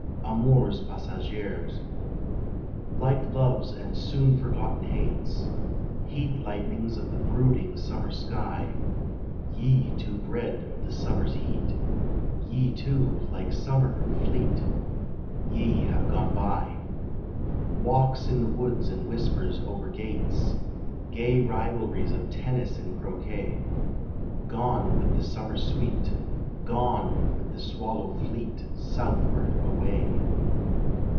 AMOURS PASSAGÈRES Light loves and soon forgotten hates, Heat lightnings of the brooding summer sky Ye too bred of the summer's heat, Ye too, like summer, fleet Ye have gone by. Walks in the woods and whispers over gates, Gay rivalries of tennis and croquet Gone with the summer sweet, Gone with the swallow fleet Southward away!